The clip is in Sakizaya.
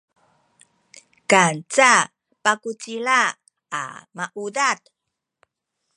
kanca pakucila a maudad